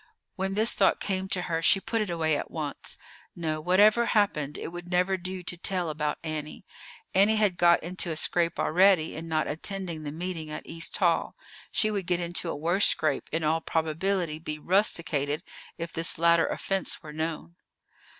When this thought came to her she put it away at once. No; whatever happened, it would never do to tell about Annie. Annie had got into a scrape already in not attending the meeting at East Hall; she would get into a worse scrape, in all probability be rusticated, if this latter offense were known.